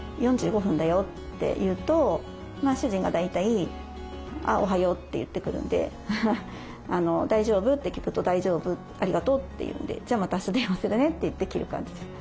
４５分だよ」って言うと主人が大体「おはよう」って言ってくるんで「大丈夫？」って聞くと「大丈夫ありがとう」って言うんで「じゃまたあした電話するね」って言って切る感じです。